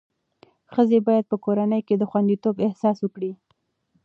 ښځې باید په کورنۍ کې د خوندیتوب احساس وکړي.